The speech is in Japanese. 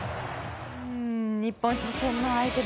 日本、初戦の相手